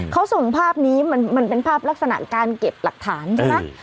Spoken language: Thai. เขาส่งภาพนี้มันเป็นภาพลักษณะการเก็บหลักฐานใช่ไหม